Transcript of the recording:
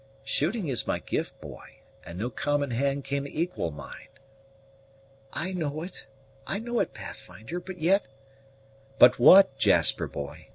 Shooting is my gift, boy, and no common hand can equal mine." "I know it I know it, Pathfinder; but yet " "But what, Jasper, boy?